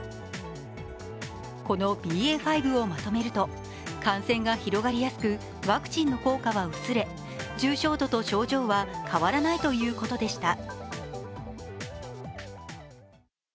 このＢＡ．５をまとめると感染が広がりやすくワクチンの効果は薄れ、重症度と症状は変わらないということでした。